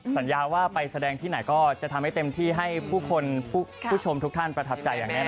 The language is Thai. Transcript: สัญญาว่าไปแสดงที่ไหนก็จะทำให้เต็มที่ให้ผู้คนผู้ชมทุกท่านประทับใจอย่างแน่นอ